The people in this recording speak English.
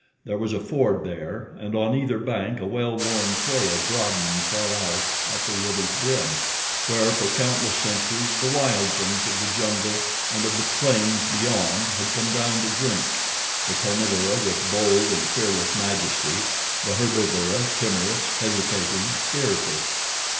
There was a ford there and on either bank a well worn trail, broadened far out at the river's brim, where, for countless centuries, the wild things of the jungle and of the plains beyond had come down to drink, the carnivora with bold and fearless majesty, the herbivora timorous, hesitating, fearful.